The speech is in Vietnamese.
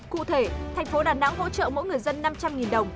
cụ thể tp đà nẵng hỗ trợ mỗi người dân năm trăm linh đồng